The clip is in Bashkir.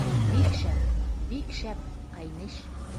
— Бик шәп, бик шәп, ҡәйнеш.